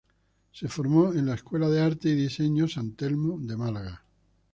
Se formó en la Escuela de Arte y Diseño San Telmo de Málaga.